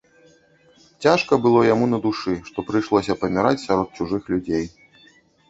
Цяжка было яму на душы, што прыйшлося паміраць сярод чужых людзей.